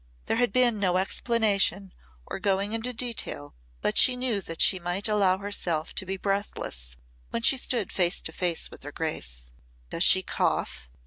There had been no explanation or going into detail but she knew that she might allow herself to be breathless when she stood face to face with her grace. "Does she cough?